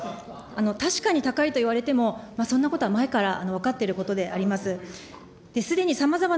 確かに高いといわれても、そんなことは前から分かっていることであります。